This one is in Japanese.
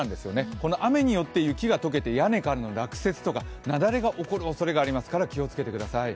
この雨によって屋根からの雪の落雪とか雪崩が起こるおそれがありますから、気をつけてください。